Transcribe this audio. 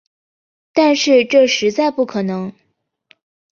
但是这实在不可能